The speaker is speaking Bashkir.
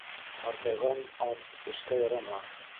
Ҡартайған ат эшкә ярамаҫ.